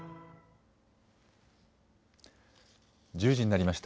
１０時になりました。